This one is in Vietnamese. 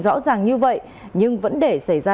rõ ràng như vậy nhưng vẫn để xảy ra